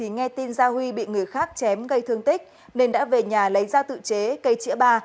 nghe tin gia huy bị người khác chém gây thương tích nên đã về nhà lấy ra tự chế cây trĩa bà